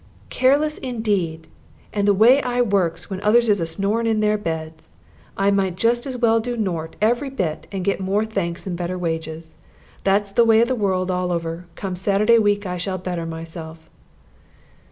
"Careless, indeed! And the way I works, when others is a snorin' in their beds! I might just as well do nort, every bit, and get more thanks and better wages. That's the way of the world all over. Come Saturday week, I shall better myself."